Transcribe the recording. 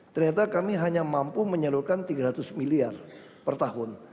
ternyata kami hanya mampu menyalurkan tiga ratus miliar per tahun